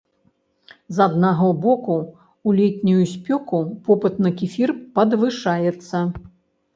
З аднаго боку, у летнюю спёку попыт на кефір падвышаецца.